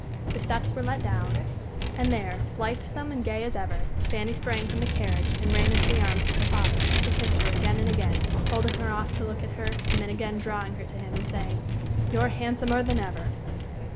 The steps were let down, and there, blithesome and gay as ever, Fanny sprang from the carriage and ran into the arms of her father, who kissed her again and again, holding her off to look at her and then again drawing her to him and saying, "You're handsomer than ever."